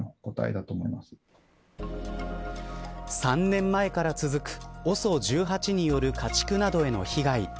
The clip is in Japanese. ３年前から続くＯＳＯ１８による家畜などへの被害。